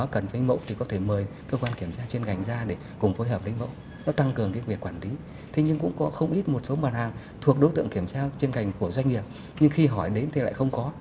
kiểm tra chuyên ngành của doanh nghiệp nhưng khi hỏi đến thì lại không có